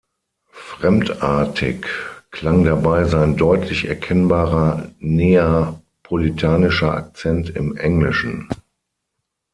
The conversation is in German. Fremdartig klang dabei sein deutlich erkennbarer neapolitanischer Akzent im Englischen.